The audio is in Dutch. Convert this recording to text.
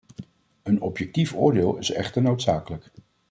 Een objectief oordeel is echter noodzakelijk.